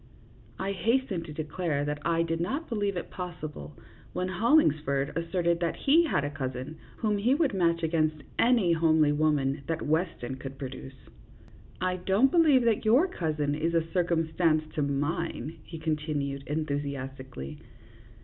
I hastened to declare that I did not believe it possible, when Hollingsford asserted that he had a cousin whom he would match against any homely woman that Weston could produce. " I don't believe that your cousin is a circum stance to mine," he continued, enthusiastically.